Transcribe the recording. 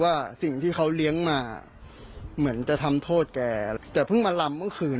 ไม่อยากให้แม่เป็นอะไรไปแล้วนอนร้องไห้แท่ทุกคืน